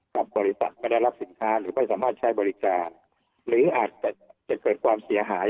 กับบริษัทไม่ได้รับสินค้าหรือไม่สามารถใช้บริการหรืออาจจะเกิดความเสียหาย